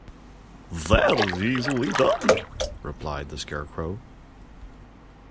"That is easily done," replied the Scarecrow.